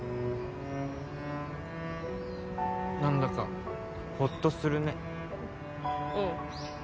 何だかほっとするねうん